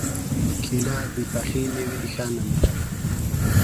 کېله د پخې مېوې ښه نمونه ده.